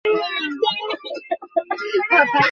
মা কে খুব ভালবাসতাম।